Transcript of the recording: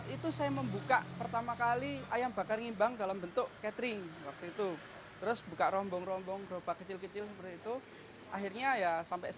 itu yang namanya pesan khusus